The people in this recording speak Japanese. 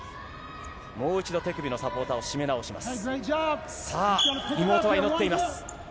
もう一度手首のサポーターを締め直します。